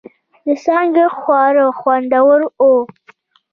د څانگې خواړه خوندور و.